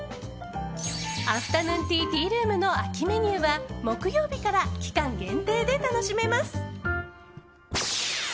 アフタヌーンティー・ティールームの秋メニューは木曜日から期間限定で楽しめます。